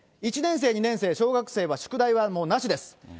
１年生、２年生、小学生は宿題はもう、なしです。